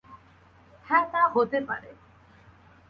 হ্যাঁ, তা হতে পারে।